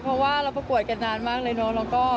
เพราะว่าเราประกวดกันนานมากเลยเนาะ